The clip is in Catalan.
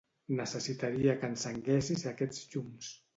Necessitaria que encenguessis aquests llums.